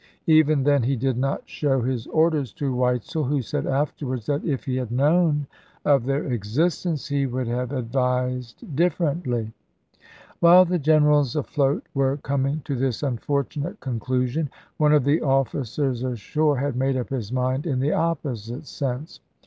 Even then he did not conduct of show his orders to Weitzel, who said afterwards lmJs.' Part II. that if he had known of their existence he would p so. " have advised differently. While the generals afloat were coming to this unfortunate conclusion, one of the officers ashore had made up his mind in the opposite sense.